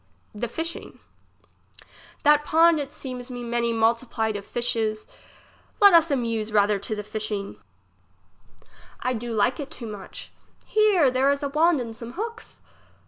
T^/ie fishing. That pond it seems me many multiplied of fishes. Let us amuse rather to the fishing. 42 English as she is spoke. I do like it too much. Here, there is a wand and some hooks.